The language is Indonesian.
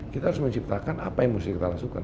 kita harus menciptakan apa yang harus kita lakukan